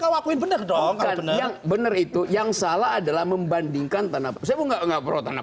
kalau aku bener dong bener itu yang salah adalah membandingkan tanah saya nggak nggak perut tanah